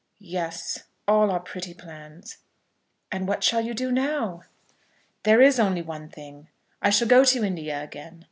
"Yes; all our pretty plans." "And what shall you do now?" "There is only one thing. I shall go to India again.